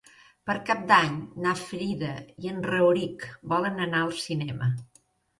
Per Cap d'Any na Frida i en Rauric volen anar al cinema.